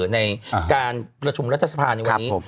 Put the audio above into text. ในการประชุมรัฐสภาในวันนี้